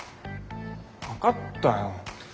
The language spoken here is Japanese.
分かったよ。